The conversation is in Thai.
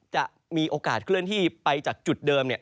จะมีโอกาสเคลื่อนที่ไปจากจุดเดิม